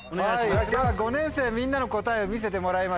では５年生みんなの答えを見せてもらいましょう。